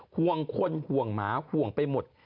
ห่วงคนห่วงหมาห่วงไปหมด